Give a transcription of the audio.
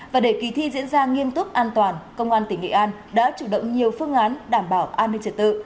và để kỳ thi diễn ra nghiêm túc an toàn công an tỉnh nghệ an đã chủ động nhiều phương án đảm bảo an ninh trật tự